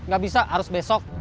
gak bisa harus besok